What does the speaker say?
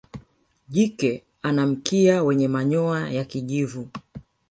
jike ana mkia wenye manyoya ya kijivu